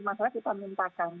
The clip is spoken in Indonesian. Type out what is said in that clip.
masalah kita minta